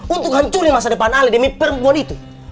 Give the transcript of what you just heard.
untuk hancurin masa depan ale demi perempuan itu